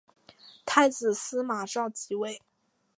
太子司马绍即位。